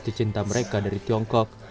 tercinta mereka dari tiongkok